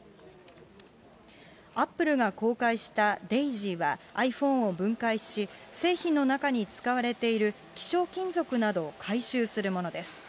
アップルが公開したデイジーは、ｉＰｈｏｎｅを分解し、製品の中に使われている希少金属などを回収するものです。